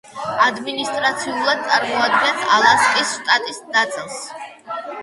ადმინისტრაციულად წარმოადგენს ალასკის შტატის ნაწილს.